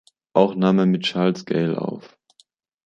Auch nahm er mit Charles Gayle auf.